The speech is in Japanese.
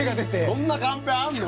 そんなカンペあんの？